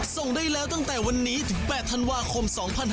ส่งได้แล้วตั้งแต่วันนี้ถึง๘ธันวาคม๒๕๖๒